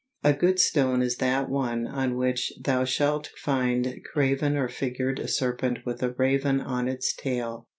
A good stone is that one on which thou shalt find graven or figured a serpent with a raven on its tail.